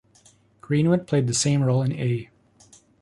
Greenwood played the same role in A.